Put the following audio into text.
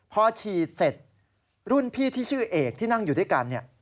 พอฉีดเสร็จรุ่นพี่ที่ชื่อเอกที่นั่งอยู่ด้วยกันเนี่ย